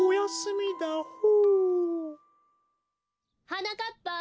はなかっぱ！